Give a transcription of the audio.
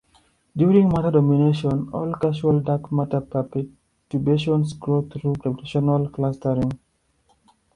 During matter domination, all causal dark matter perturbations grow through gravitational clustering.